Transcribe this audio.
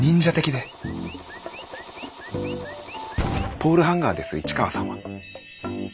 ポールハンガーです市川さんは。